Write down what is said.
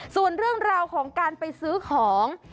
ส่วนเรื่องราวของการไปซื้อของ